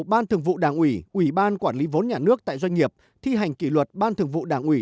ban thường vụ đảng ủy ủy ban quản lý vốn nhà nước tại doanh nghiệp thi hành kỷ luật ban thường vụ đảng ủy